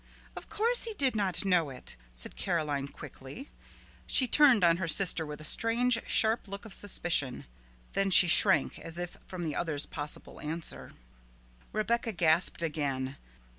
"Of course he did not know it," said Caroline quickly. She turned on her sister with a strange, sharp look of suspicion. Then she shrank as if from the other's possible answer. Rebecca gasped again.